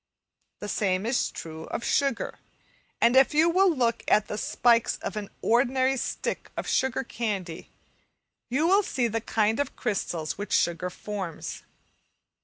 The same is true of sugar; and if you will look at the spikes of an ordinary stick of sugar candy, such as I have here, you will see the kind of crystals which sugar forms.